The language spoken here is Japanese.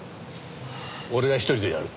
俺が一人でやる。